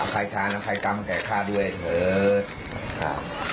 อภัยทานอภัยกรรมแก่ข้าด้วยเถอะ